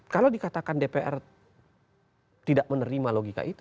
kalau dikatakan dpr tidak menerima logika itu